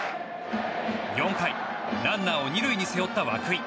４回ランナーを２塁に背負った涌井。